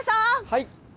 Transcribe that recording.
はい！